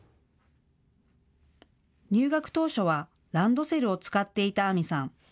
入学当初はランドセルを使っていた杏美さん。